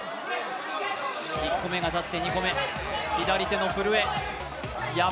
１個目が立って２個目、左手の震え、山。